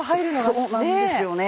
そうなんですよね。